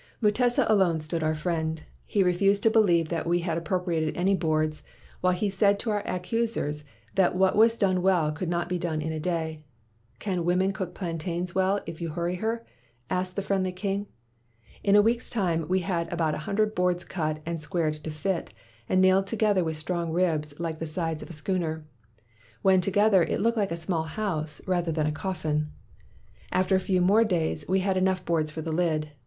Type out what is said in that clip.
"Mutesa alone stood our friend. He re fused to believe that we had appropriated any boards, while he said to our accusers that what was done well could not be done in a day. 'Can a woman cook plantains well if you hurry her?' asked the friendly king. "In a week's time we had about a hun dred boards cut and squared to fit, and nailed together with strong ribs like the sides of a schooner. When together, it looked like a small house, rather than a 185 WHITE MAN OF WORK coffin. After a few more days, we had enough boards for the lid.